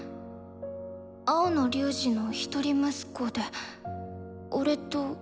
青野龍仁の一人息子で俺と同い年。